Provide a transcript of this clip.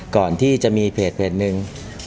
ก่อนที่จะมีเพจหนึ่ง